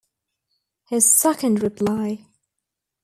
His second reply.